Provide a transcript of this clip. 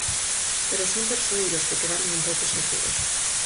Pero son persoeiros que quedaron un pouco esquecidos.